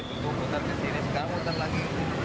sekarang putar lagi